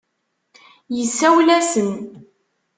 Isawel-asen.